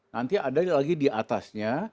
nanti ada lagi di atasnya